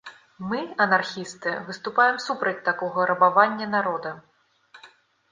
Мы, анархісты, выступаем супраць такога рабавання народа.